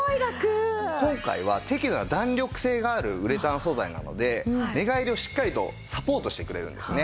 今回は適度な弾力性があるウレタン素材なので寝返りをしっかりとサポートしてくれるんですね。